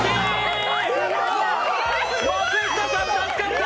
松下さん、助かった！